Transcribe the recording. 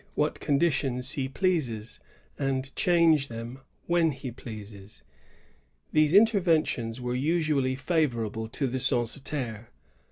49 what conditions he pleases, and change them when he pleases."^ These interventions were usually favorable to the censitaire.